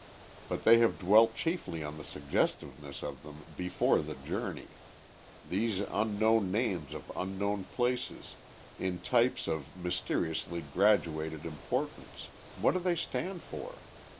But they have dwelt chiefly on the suggestiveness of them before the journey: these unknown names of unknown places, in types of mysteriously graduated importance what do they stand for?